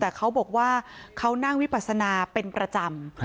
แต่เขาบอกว่าเขานั่งวิปัสนาเป็นประจำ